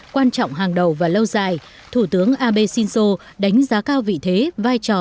quan trọng hàng đầu và lâu dài thủ tướng abe shinzo đánh giá cao vị thế vai trò